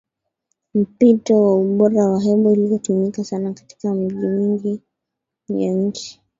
mpito wa ubora wa hewa inayotumika sana katika miji mingi ya nchi